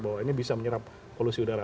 bahwa ini bisa menyerap polusi udara